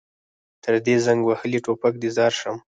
تر دې زنګ وهلي ټوپک دې ځار شم.